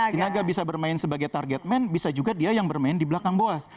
sinaga bisa bermain sebagai target man bisa juga dia yang bermain di belakang boas